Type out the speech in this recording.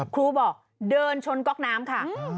ครูบอกเดินชนก๊อกน้ำค่ะ